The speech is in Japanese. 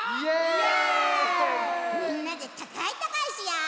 みんなでたかいたかいしよう！